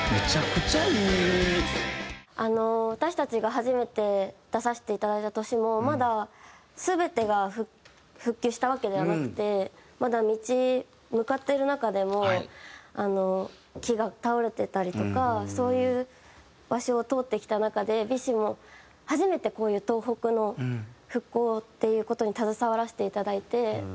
「ｆｅｅｌｉｎｇｓｗｉｌｌｂｅａｂｒｉｇｈｔｆｌｏｗｅｒ」私たちが初めて出させていただいた年もまだ全てが復旧したわけではなくてまだ道向かってる中でも木が倒れてたりとかそういう場所を通ってきた中でＢｉＳＨも初めてこういう東北の復興っていう事に携わらせていただいて。